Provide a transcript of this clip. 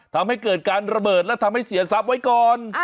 ทำให้เกิดการระเบิดและทำให้เสียทรัพย์ไว้ก่อน